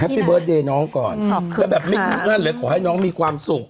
แฮปปี้เบิร์ดเดย์น้องก่อนขอบคุณค่ะแต่แบบนั่นเลยขอให้น้องมีความสุข